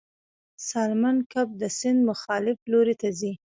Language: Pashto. سالمن کب د سیند مخالف لوري ته ځي